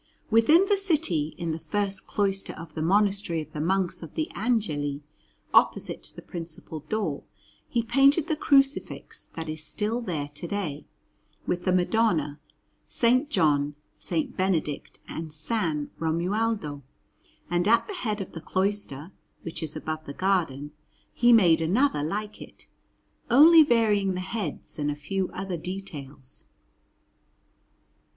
Within the city, in the first cloister of the Monastery of the Monks of the Angeli, opposite to the principal door, he painted the Crucifix that is still there to day, with the Madonna, S. John, S. Benedict, and S. Romualdo; and at the head of the cloister, which is above the garden, he made another like it, only varying the heads and a few other details.